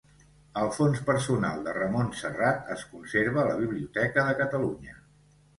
El fons personal de Ramon Serrat es conserva a la Biblioteca de Catalunya.